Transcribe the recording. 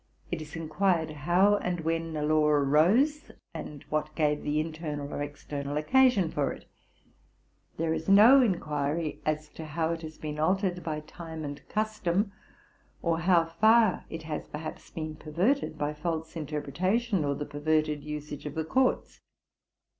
It is in quired how and when a law arose, and what gave the internal or external occasion for it: there is no inquiry as to how it has been altered by time and custom, or how far it has perhaps been perverted by false interpretation or the perverted usage of the courts.